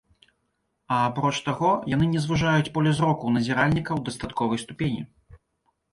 А апроч таго, яны не звужаюць поле зроку назіральніка ў дастатковай ступені.